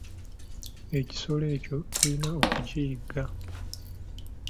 Ekisolo ekyo tulina okukiyigga.